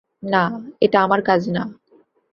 না, এটা আমার কাজ না।